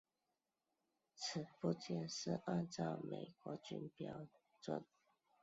此部件是按照美国军用标准。